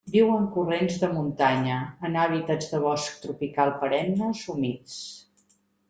Viu en corrents de muntanya en hàbitats de bosc tropical perennes humits.